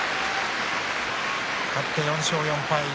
勝って４勝４敗。